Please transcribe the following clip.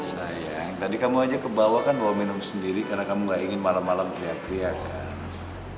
sayang tadi kamu ajak ke bawah kan bawa minum sendiri karena kamu ga ingin malem malem kriak kriakan